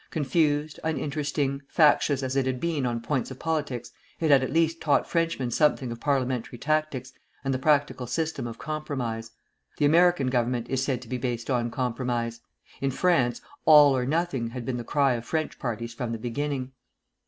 Confused, uninteresting, factious as it had been on points of politics, it had at least taught Frenchmen something of parliamentary tactics and the practical system of compromise. The American government is said to be based on compromise. In France, "all or nothing" had been the cry of French parties from the beginning.